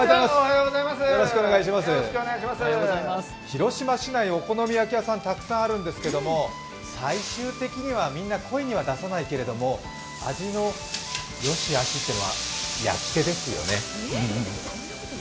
広島市内、お好み焼き屋さんたくさんあるんですけれども、最終的には、みんな声には出さないけれども、味の善しあしというのは焼き手ですよね。